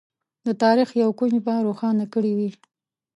د تاریخ یو کونج به روښانه کړی وي.